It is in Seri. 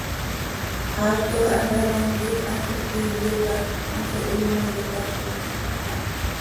Haaztoj hamcanoiin quij hanso cötíyoca, hanso himo xopazlax.